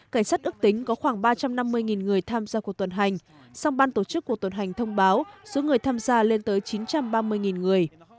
cảnh sát ước tính có khoảng ba trăm năm mươi người tham gia cuộc tuần hành song ban tổ chức cuộc tuần hành thông báo số người tham gia lên tới chín trăm ba mươi người